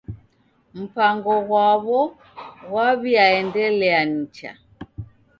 Mpango ghwaw'o ghwaw'iaendelia nicha.